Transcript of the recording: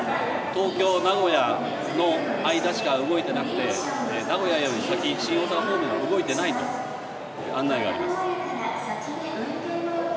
東京・名古屋の間しか動いてなくて、名古屋より先、新大阪方面は動いてないと、案内があります。